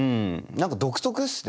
何か独特っすね